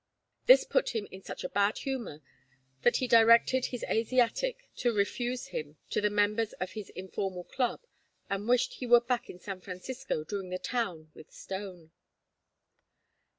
This put him in such a bad humor that he directed his Asiatic to refuse him to the members of his informal Club, and wished he were back in San Francisco doing the town with Stone.